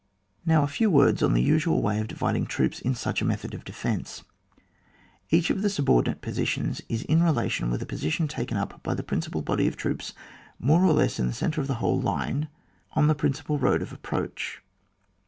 — Now a few words on the usual way of dividing troops in such a method of defence. Each of the subordinate positions is in relation with a position taken up by the principal body of troops, more or less in the centre of the whole line, on the prin cipal road of approach.